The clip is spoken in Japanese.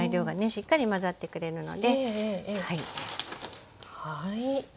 しっかり混ざってくれるのではい。